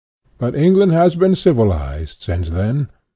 But England has been " civilized " since then.